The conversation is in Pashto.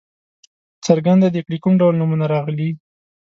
څرګنده دې کړي کوم ډول نومونه راغلي.